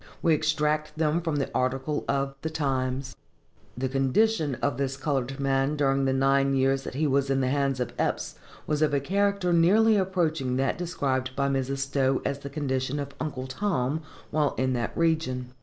We extract them from the article of the Times: The condition of this colored man during the nine years that he was in the hands of Eppes was of a character nearly approaching that described by Mrs. Stowe as the condition of "Uncle Tom" while in that region.